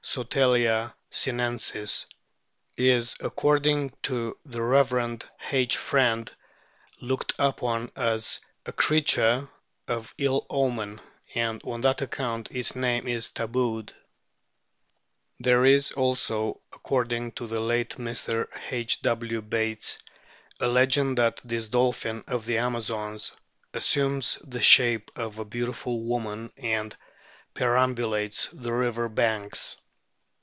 Sotalia sinensis], is, accord ing to the Rev. H. Friend, "looked upon as a * Proc. Zool. Soc., 1896, p. 771. ANOMALOUS DOLPHINS 301 creature of ill omen, and on that account its name is tabooed." There is also, according to the late Mr. H. W. Bates, a legend that this dolphin of the Amazons assumes the shape of a beautiful woman and peram bulates the river banks.